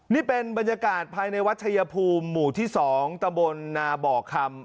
นี่เป็นบรรยากาศภายในวัดชายภูมิหมู่ที่๒ตะบลนาบ่อคำ